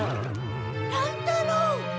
乱太郎！